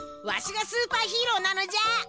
わしがスーパーヒーローなのじゃ！